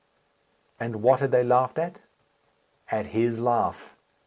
And what had they laughed at? At his laugh.